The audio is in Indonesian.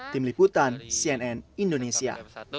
tim liputan cnn indonesia